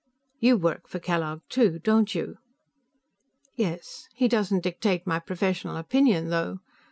"You work for Kellogg, too, don't you?" "Yes. He doesn't dictate my professional opinion, though.